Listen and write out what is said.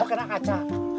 silau kena kaca